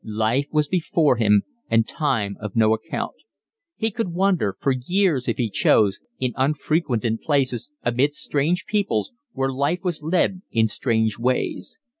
Life was before him and time of no account. He could wander, for years if he chose, in unfrequented places, amid strange peoples, where life was led in strange ways.